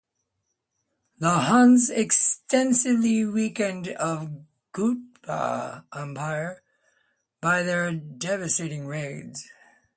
The Huns extensively weakened the Gupta Empire by their devastating raids.